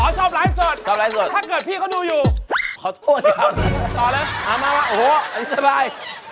อ๋อชอบหลายส่วนถ้าเกิดพี่เขาดูอยู่ขอโทษครับต่อแล้วถามมาว่าโอ้โฮอันนี้จะไป